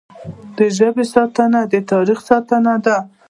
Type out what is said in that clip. د ژبې ساتنه د تاریخ ساتنه ده.